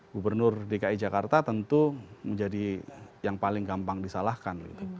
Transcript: gubernur dki jakarta tentu menjadi yang paling gampang disalahkan